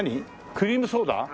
クリームソーダ？